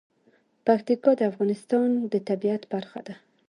پکتیکا د افغانستان د طبیعت برخه ده.